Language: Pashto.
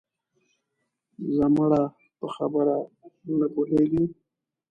ځه مړه په خبره نه پوهېږې